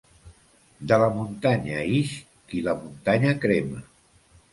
De la muntanya ix qui la muntanya crema.